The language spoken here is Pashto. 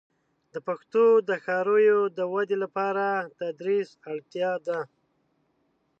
د پښتو د ښاریو د ودې لپاره د تدریس اړتیا ده.